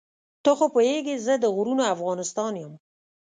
ته خو پوهېږې زه د غرونو افغانستان یم.